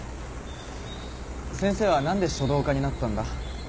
先生は何で書道家になったんだ？